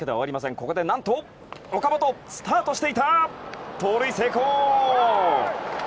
ここで何と、岡本スタートしていた、盗塁成功！